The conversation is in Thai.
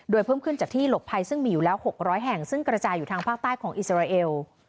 โดยเพิ่มขึ้นจากที่หลบภัยซึ่งมีอยู่แล้ว๖๐๐แห่งซึ่งกระจายอยู่ทางภาคใต้ของอิสราเอล